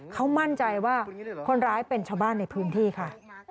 เขามั่นใจว่าคนร้ายเป็นชาวบ้านในพื้นที่ค่ะ